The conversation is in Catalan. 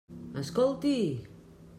Escolti!